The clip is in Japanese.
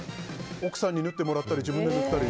奥さんに縫ってもらったり自分で縫ったり。